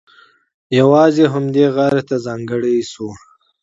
یوازې همدې غار ته ځانګړی شو.